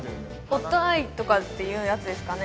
オッドアイとかっていうやつですかね